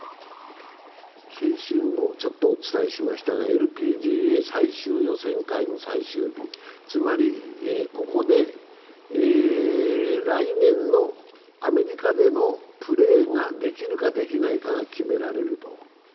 先週もちょっとお伝えしましたが、ＬＰＧＡ最終予選会の最終日、つまり、ここで来年のアメリカでのプレーができるかできないかが決められると。